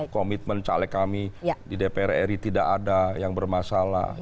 komitmen caleg kami di dpr ri tidak ada yang bermasalah